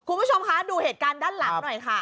คุณผู้ชมคะดูเหตุการณ์ด้านหลังหน่อยค่ะ